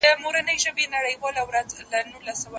چي دي خپل قاتل اتل وي زه به څنګه غزل لیکم